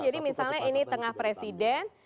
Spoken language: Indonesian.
jadi misalnya ini tengah presiden